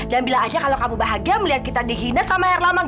jangan bilang aja kalau kamu bahagia melihat kita dihina sama erlamang